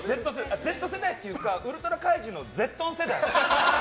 Ｚ世代っていうかウルトラ怪獣のゼットン世代。